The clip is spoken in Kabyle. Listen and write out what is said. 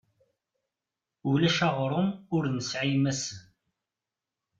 Ulac aɣrum ur nesɛi imassen.